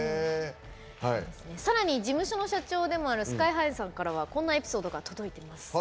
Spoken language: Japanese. さらに事務所の社長でもあるＳＫＹ‐ＨＩさんからこんなエピソードが届いています。